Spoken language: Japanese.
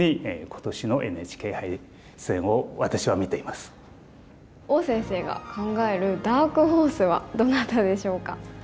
まさに王先生が考えるダークホースはどなたでしょうか？